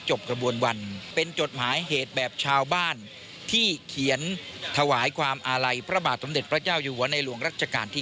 กระบวนวันเป็นจดหมายเหตุแบบชาวบ้านที่เขียนถวายความอาลัยพระบาทสมเด็จพระเจ้าอยู่หัวในหลวงรัชกาลที่๙